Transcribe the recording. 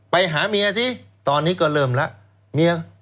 ไปหาเมียซิตอนนี้ก็เริ่มแล้วเมียเป็นไหน